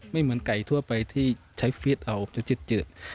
ไม่เหมือนไก่ทั่วไปที่ใช้ฟิสจะจืด